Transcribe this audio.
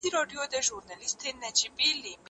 خبري د زده کوونکي له خوا کيږي!؟